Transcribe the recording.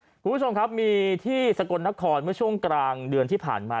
คุณผู้ชมครับมีที่สกลนครเมื่อช่วงกลางเดือนที่ผ่านมา